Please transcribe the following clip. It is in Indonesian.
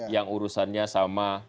yang urusannya sama